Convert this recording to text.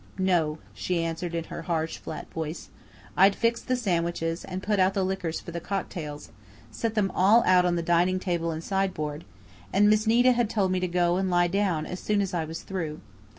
"No," she answered in her harsh, flat voice. "I'd fixed the sandwiches and put out the liquors for the cocktails set them all out on the dining table and sideboard, and Miss Nita had told me to go and lie down as soon as I was through.